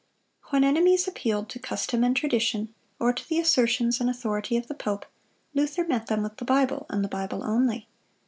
When enemies appealed to custom and tradition, or to the assertions and authority of the pope, Luther met them with the Bible, and the Bible only.